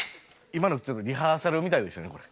今のリハーサルみたいでしたね